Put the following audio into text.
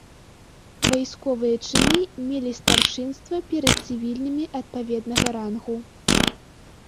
Вайсковыя чыны мелі старшынства перад цывільнымі адпаведнага рангу.